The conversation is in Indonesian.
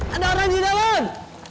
ada orang di dalam